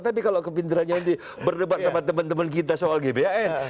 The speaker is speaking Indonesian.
tapi kalau kepinterannya ini berdebat sama teman teman kita soal gbhn